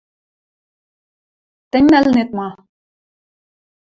Тӹнь нӓлнет ма?